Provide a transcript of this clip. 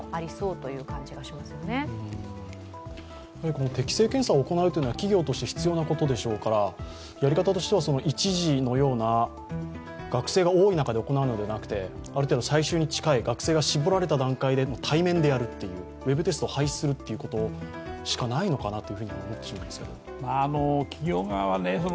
この適性検査を行うというのは企業として必要なことでしょうからやり方としては一次のような学生が多い中でやられるのではなく、ある程度最終に近い学生が絞られた段階で対面でやるっていうウェブテストを排除するという手しかない気がするんですけど。